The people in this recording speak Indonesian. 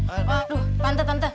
aduh tante tante